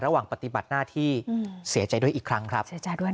ระหว่างปฏิบัติหน้าที่เสียใจด้วยอีกครั้งครับ